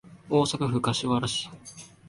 大阪府柏原市